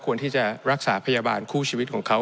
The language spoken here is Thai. ที่จะรักษาพยาบาลคู่ชีวิตของเขา